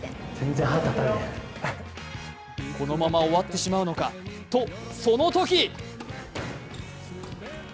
このまま終わってしまうのかとその時。